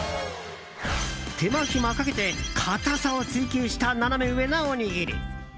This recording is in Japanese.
手間暇かけて硬さを追求したナナメ上なおにぎり。